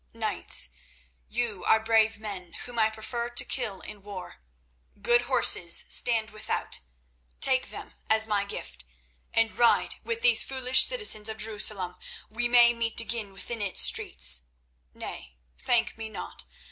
Knights, you are brave men whom I prefer to kill in war. Good horses stand without; take them as my gift, and ride with these foolish citizens of Jerusalem. We may meet again within its streets. Nay, thank me not.